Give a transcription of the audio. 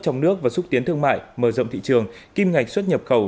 trong nước và xúc tiến thương mại mở rộng thị trường kim ngạch xuất nhập khẩu